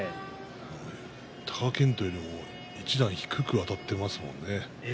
貴健斗よりも一段低くあたっていますね。